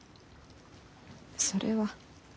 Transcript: それは。